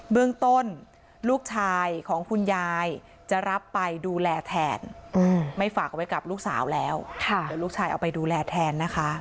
เรื่องต้นลูกชายของคุณยายจะรับไปดูแลแทนไม่ฝากไว้กับลูกสาวแล้วเดี๋ยวลูกชายเอาไปดูแลแทนนะคะ